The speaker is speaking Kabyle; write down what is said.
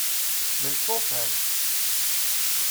D lṭufan.